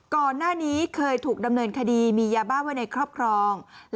ก่อนหน้านี้เคยถูกดำเนินคดีมียาบ้าไว้ในครอบครอง